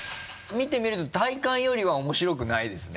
見てみると体感よりは面白くないですね